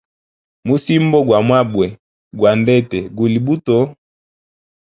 Musimbo gwa mabwe, gwa ndete guli buto.